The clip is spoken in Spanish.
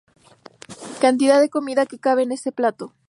Cantidad de comida que cabe en este plato".